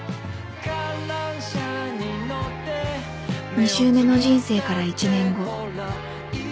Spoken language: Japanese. ２周目の人生から１年後